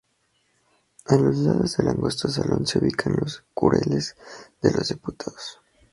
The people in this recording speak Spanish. A los lados del angosto solón se ubican los curules de los Diputados.